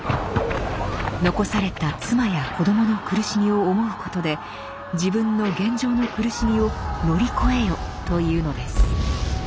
残された妻や子どもの苦しみを思うことで自分の現状の苦しみを乗り越えよと言うのです。